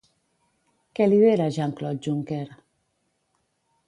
Què lidera Jean-Claude Juncker?